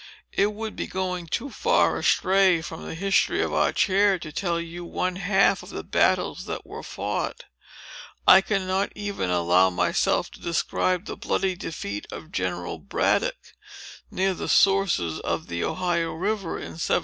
It would be going too far astray from the history of our chair, to tell you one half of the battles that were fought. I cannot even allow myself to describe the bloody defeat of General Braddock, near the sources of the Ohio River, in 1755.